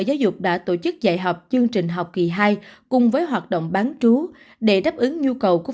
giáo dục đã tổ chức dạy học chương trình học kỳ hai cùng với hoạt động bán trú để đáp ứng nhu cầu của